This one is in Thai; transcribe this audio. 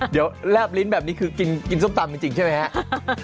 เดี๋ยวแลบลิ้นแบบนี้คือกินส้มตำจริงใช่ไหมครับ